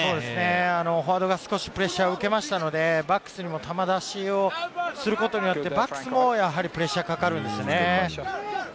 フォワードがプレッシャーを受けたので、バックスにも球出しをすることでプレッシャーがかかるんですよね。